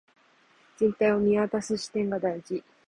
全体を見渡す視点が大事